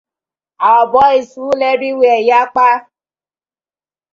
Our boyz dey everywhere yakpa.